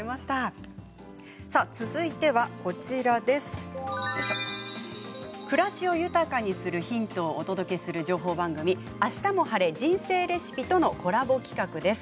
続いては暮らしを豊かにするヒントをお届けする情報番組「あしたも晴れ！人生レシピ」とのコラボ企画です。